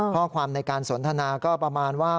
ข้อความในการสนทนาก็ประมาณว่า